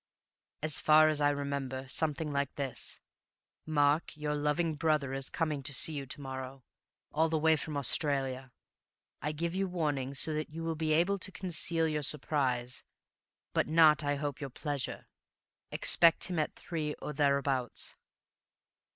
"As far as I remember, something like this: 'Mark, your loving brother is coming to see you to morrow, all the way from Australia. I give you warning so that you will be able to conceal your surprise, but not I hope, your pleasure. Expect him at three, or thereabouts.